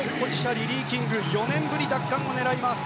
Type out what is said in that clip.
リリー・キング４年ぶり奪還を狙います。